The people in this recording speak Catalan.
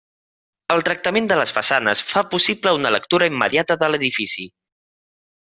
El tractament de les façanes fa possible una lectura immediata de l'edifici.